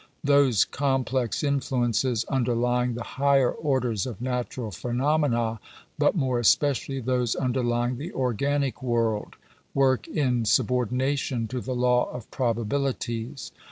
Those complex influences < underlying the higher orders of natural phenomena, but more especially those underlying the organic world, work in subor dination to the law of probabilities.